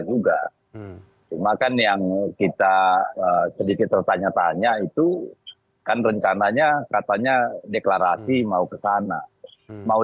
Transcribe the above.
juga cuma kan yang kita sedikit bertanya tanya itu kan rencananya katanya deklarasi mau ke sana mau